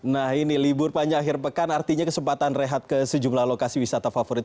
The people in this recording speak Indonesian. nah ini libur panjang akhir pekan artinya kesempatan rehat ke sejumlah lokasi wisata favorit